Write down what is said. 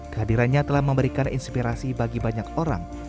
kehadirannya telah memberikan inspirasi bagi banyak orang